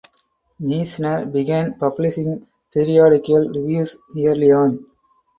Meissner began publishing periodical reviews early on.